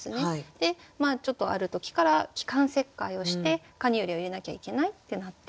でちょっとある時から気管切開をしてカニューレを入れなきゃいけないってなって。